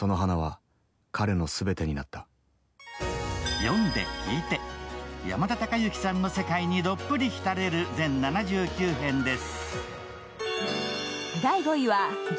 読んで、聴いて、山田孝之さんの世界にどっぷり浸れる全７９編です。